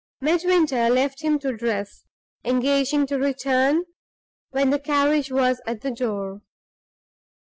Midwinter left him to dress, engaging to return when the carriage was at the door.